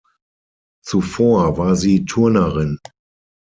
Zuvor war sie Turnerin.